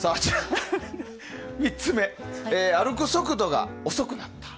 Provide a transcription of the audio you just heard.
３つ目、歩く速度が遅くなった。